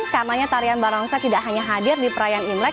karena tarian barongsai tidak hanya hadir di perayaan imlek